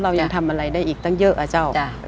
เรายังทำอะไรได้อีกตั้งเยอะอะเจ้า